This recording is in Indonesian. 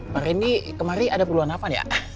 hari ini kemari ada perluan hafan ya